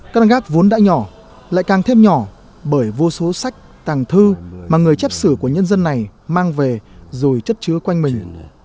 căn gác vốn đã nhỏ lại càng thêm nhỏ bởi vô số sách tàng thư mà người chép sử của nhân dân này mang về rồi chất chứa quanh mình